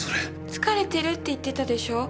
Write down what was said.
疲れてるって言ってたでしょう？